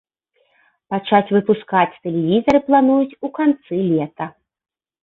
Пачаць выпускаць тэлевізары плануюць у канцы лета.